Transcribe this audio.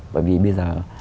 bởi vì bây giờ